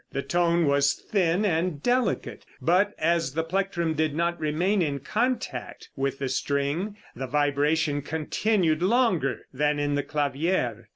The tone was thin and delicate, but as the plectrum did not remain in contact with the string, the vibration continued longer than in the clavier.